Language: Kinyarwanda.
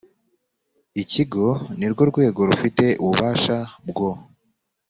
ikigo ni rwo rwego rufite ububasha bwo